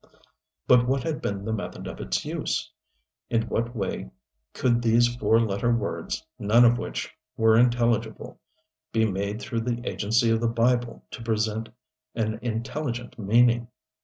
But what had been the method of its use? In what way could these four letter words, none of which were intelligible, be made through the agency of the Bible to present an intelligent meaning?